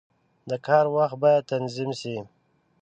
• د کار وخت باید تنظیم شي.